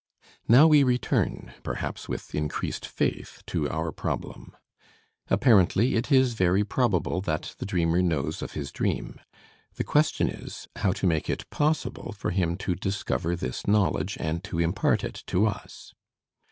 Now we return, perhaps with increased faith, to our problem. Apparently it is very probable that the dreamer knows of his dream; the question is, how to make it possible for him to discover this knowledge, and to impart it to us?